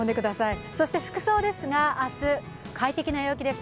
そして服装ですが、明日快適な陽気です。